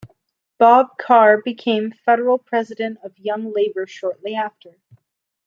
Bob Carr became Federal President of Young Labor shortly after.